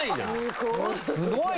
すごい。